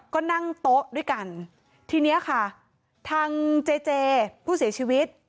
ก็นั่งโต๊ะด้วยกันทีเนี้ยค่ะทางเจเจผู้เสียชีวิต